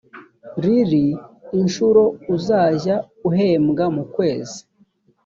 rr inshuro uzajya uhembwa mu kwezi